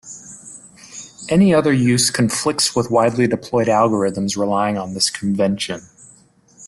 Any other use conflicts with widely deployed algorithms relying on this convention.